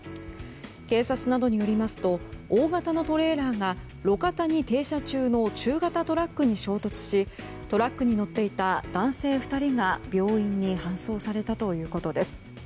警察などによりますと大型のトレーラーが路肩に停車中の中型トラックに衝突しトラックに乗っていた男性２人が病院に搬送されたということです。